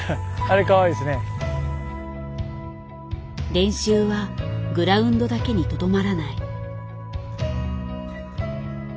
練習はグラウンドだけにとどまらない。